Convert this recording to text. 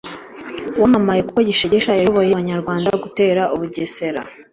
wamamaye kuko gishegesha yayoboye abanyarwanda gutera u bugesera,